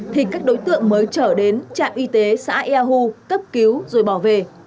thì các đối tượng mới trở đến trạm y tế xã yahu cấp cứu rồi bỏ về